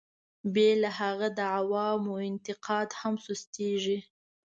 بې له هغه د عوامو اعتقاد هم سستېږي.